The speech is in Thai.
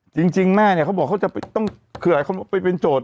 จริงแม่เนี่ยเขาบอกเขาจะต้องคือหลายคนไปเป็นโจทย